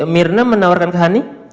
mirna menawarkan ke hani